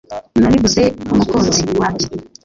nabiguze umukunzi wanjye.